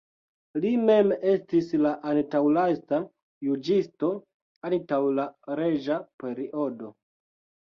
Li mem estis la antaŭlasta juĝisto antaŭ la reĝa periodo.